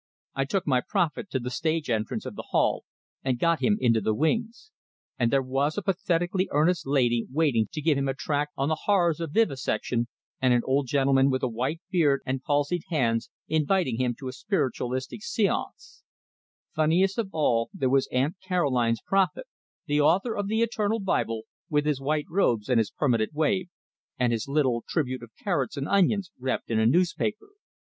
I took my prophet to the stage entrance of the hall, and got him into the wings; and there was a pathetically earnest lady waiting to give him a tract on the horrors of vivisection, and an old gentleman with a white beard and palsied hands, inviting him to a spiritualistic seance. Funniest of all, there was Aunt Caroline's prophet, the author of the "Eternal Bible," with his white robes and his permanent wave, and his little tribute of carrots and onions wrapped in a newspaper.